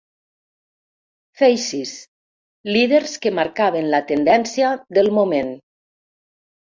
Faces: líders que marcaven la tendència del moment.